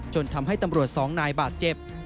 ทำให้ตำรวจสองนายบาดเจ็บ